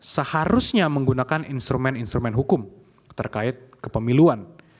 seharusnya menggunakan instrumen instrumen hukum terkait kepemiluan